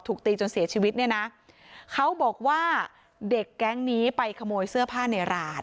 ตีจนเสียชีวิตเนี่ยนะเขาบอกว่าเด็กแก๊งนี้ไปขโมยเสื้อผ้าในร้าน